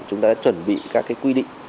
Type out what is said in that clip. chúng ta đã chuẩn bị các cái quy định